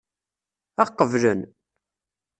Ad ɣ-qeblen?